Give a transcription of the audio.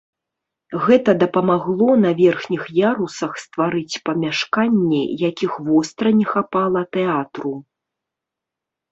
Гэта дапамагло на верхніх ярусах стварыць памяшканні, якіх востра не хапала тэатру.